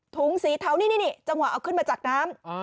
ถุงสีเทานี่จังหวะเอาขึ้นมาจากน้ำ